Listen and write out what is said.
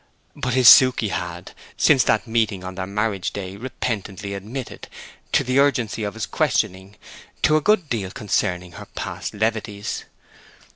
But his Suke had, since that meeting on their marriage day, repentantly admitted, to the urgency of his questioning, a good deal concerning her past levities.